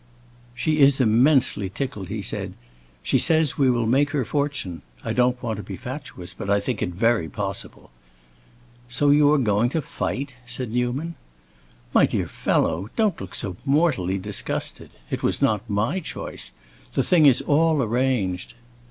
"She is immensely tickled," he said. "She says we will make her fortune. I don't want to be fatuous, but I think it is very possible." "So you are going to fight?" said Newman. "My dear fellow, don't look so mortally disgusted. It was not my choice. The thing is all arranged."